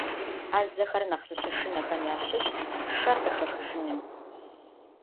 Ӏэзэхэр нэхъ зыщышынэхэм ящыщт шэр къыхэхыжыным.